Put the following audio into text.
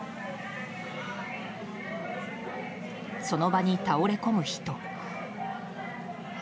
その場に倒れ込む人。